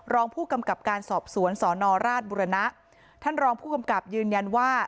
รองผู้กำกับการสอบสวนสอนอราชบุรณะท่านรองผู้กำกับยืนยันว่า